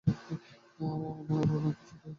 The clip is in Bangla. আর না, কিছুতে না।